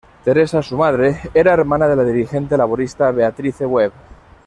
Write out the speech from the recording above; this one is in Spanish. Theresa, su madre, era hermana de la dirigente laborista Beatrice Webb.